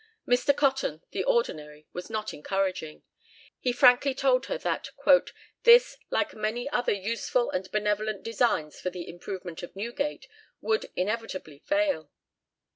Mr. Cotton, the ordinary, was not encouraging; he frankly told her that "this, like many other useful and benevolent designs for the improvement of Newgate, would inevitably fail."